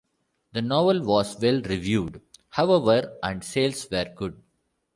The novel was well-reviewed, however, and sales were good.